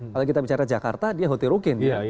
kalau kita bicara jakarta dia heterogen